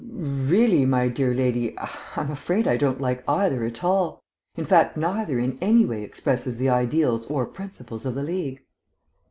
"Really, my dear lady, ... I'm afraid I don't like either at all. In fact, neither in any way expresses the ideals or principles of the League."